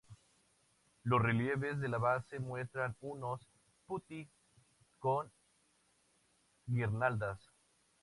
Los relieves de la base muestran unos "putti" con guirnaldas.